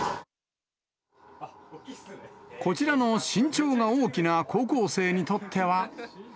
こちらの身長が大きな高校生にとっては。